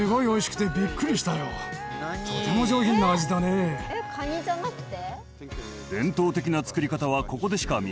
えっカニじゃなくて？